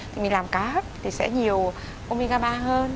thì mình làm cá hấp thì sẽ nhiều omega ba hơn